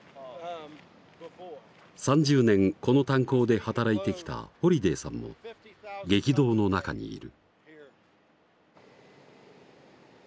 ３０年この炭鉱で働いてきたホリデーさんも激動の中にいる。